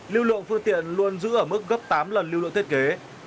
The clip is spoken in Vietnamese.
lưu lượng phương tiện luôn giữ ở mức gấp tám lần lưu lượng thiết kế